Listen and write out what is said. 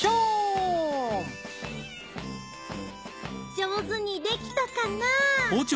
上手にできたかな？